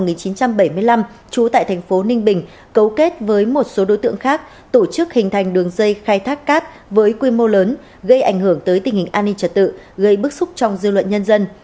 huy sinh năm một nghìn chín trăm tám mươi trú tại thành phố ninh bình cấu kết với một số đối tượng khác tổ chức hình thành đường dây khai thác cát với quy mô lớn gây ảnh hưởng tới tình hình an ninh trật tự gây bức xúc trong dư luận nhân dân